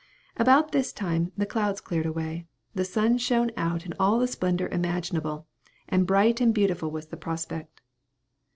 About this time, the clouds cleared away, the sun shone out in all the splendor imaginable, and bright and beautiful was the prospect.